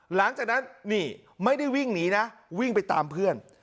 หลังจากนั้นนี่ไม่ได้วิ่งหนีนะวิ่งไปตามเพื่อน